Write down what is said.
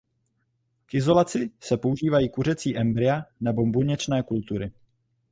K izolaci se používají kuřecí embrya nebo buněčné kultury.